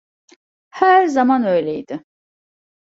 Her zaman öyleydi.